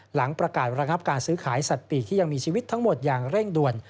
หลังประกาศระงับการซื้อขายสัตว์ปีกที่ยังมีชีวิตทั้งหมดอย่างเร่งด่วน